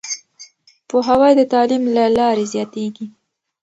پوهاوی د تعليم له لارې زياتېږي.